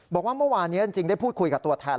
บอกว่าเมื่อวานนี้จริงได้พูดคุยกับตัวแทน